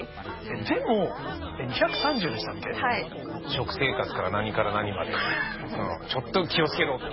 食生活から何から何までちょっと気をつけろって。